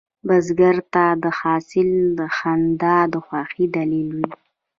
بزګر ته د حاصل خندا د خوښې دلیل وي